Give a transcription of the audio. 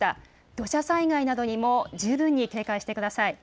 土砂災害などにも十分に警戒してください。